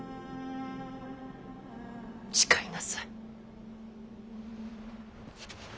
誓いなさい。